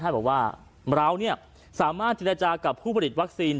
ท่านบอกว่านี่เราเนี่ยสามารถทีรายจากับผู้ผลิตวัคซีน